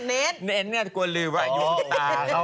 เน้นนี่กลัวลืมหรือ